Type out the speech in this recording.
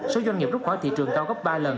số doanh nghiệp rút khỏi thị trường cao gấp ba lần